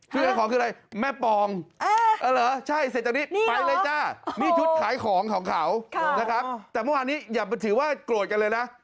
ชุดขายของคืออะไรแม่ปองใช่จากนี้ไปเลยจ้านี่ชุดขายของของเขานะครับแต่วันนี้อย่าถือว่ากรวดกันเลยนะ